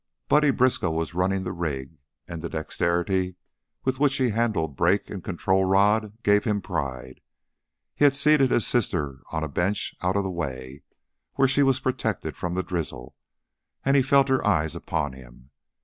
Buddy Briskow was running the rig, and the dexterity with which he handled brake and control rod gave him pride. He had seated his sister on a bench out of the way, where she was protected from the drizzle, and he felt her eyes upon him.